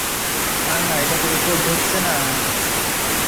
তিনি ওয়াক্ফ আইন গঠনে সহায়ক ভূমিকা পালন করেছিলেন।